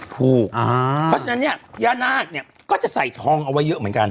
เพราะฉะนั้นเนี่ยย่านาคเนี่ยก็จะใส่ทองเอาไว้เยอะเหมือนกัน